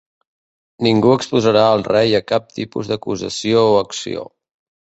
Ningú exposarà el rei a cap tipus d'acusació o acció.